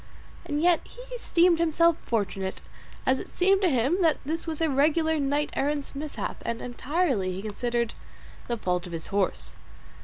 And yet he esteemed himself fortunate, as it seemed to him that this was a regular knight errant's mishap, and entirely, he considered, the fault of his horse.